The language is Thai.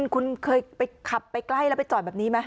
คุณเคยไปขับไปใกล้แล้วไปจอดแบบนี้ไหม